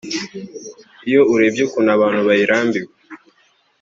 iyo urebye ukuntu abantu bayirambiwe